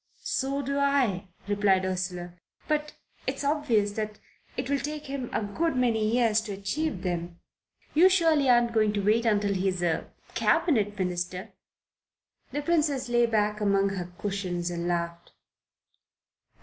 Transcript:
"So do I," replied Ursula. "But it's obvious that it will take him a good many years to achieve them. You surely aren't going to wait until he's a Cabinet Minister." The Princess lay back among her cushions and laughed.